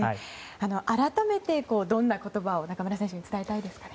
改めてどんな言葉を中村選手に伝えたいですか。